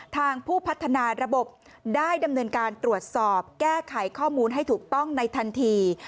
ทางผู้พัฒนาระบบได้ดำเนินการตรวจสอบแก้ไขข้อมูลให้ถูกต้องในทันที